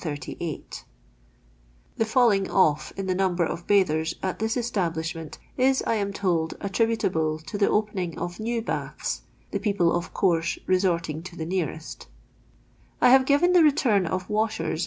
76u| 863,736 292,092 The fiilling off in the number of bathers at this establishment is, I am told, attributable to the opening of new baths, the people, of course, re sorting to the nearest I have given the return of washers, &c.